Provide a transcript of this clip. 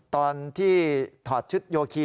ตอนที่ถอดชุดโยคี